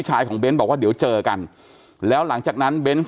ชายของเบ้นบอกว่าเดี๋ยวเจอกันแล้วหลังจากนั้นเบนส์